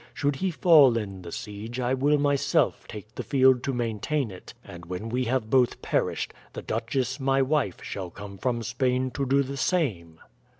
Should he fall in the siege I will myself take the field to maintain it, and when we have both perished, the duchess, my wife, shall come from Spain to do the same."